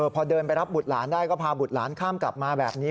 พอเดินไปรับบุตรหลานได้ก็พาบุตรหลานข้ามกลับมาแบบนี้